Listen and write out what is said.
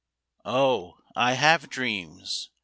Oh, I have dreams.